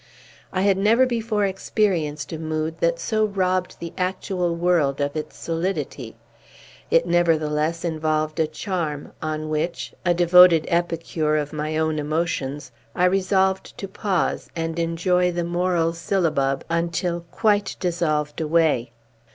I had never before experienced a mood that so robbed the actual world of its solidity. It nevertheless involved a charm, on which a devoted epicure of my own emotions I resolved to pause, and enjoy the moral sillabub until quite dissolved away.